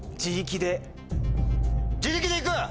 自力で行く？